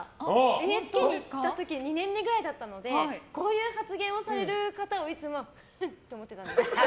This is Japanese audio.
ＮＨＫにいた時２年目くらいだったのでこういう発言をされる方をいつも、ふっと思ってたんです。